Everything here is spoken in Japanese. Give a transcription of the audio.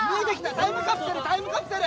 タイムカプセルタイムカプセル。